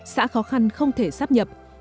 xã khó khăn không thể sắp nhập